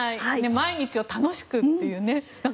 毎日を楽しくというね。